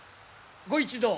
ご一同